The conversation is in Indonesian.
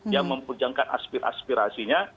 yang memperjangkankan aspirasinya